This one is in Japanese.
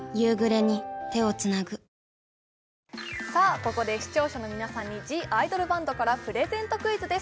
ここで視聴者の皆さんに「ＴＨＥＩＤＯＬＢＡＮＤ」からプレゼントクイズです